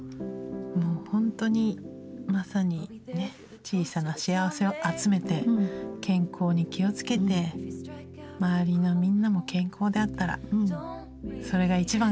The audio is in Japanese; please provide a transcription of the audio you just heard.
もうほんとにまさにね小さな幸せを集めて健康に気をつけて周りのみんなも健康であったらそれが一番かなと。